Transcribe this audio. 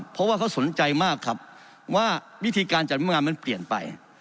เพราะว่าเขาสนใจมากครับว่าวิธีการจัดงานมันเปลี่ยนไป